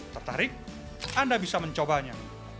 tertarik anda bisa mencobanya